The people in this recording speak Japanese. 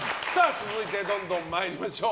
続いて、どんどん参りましょう。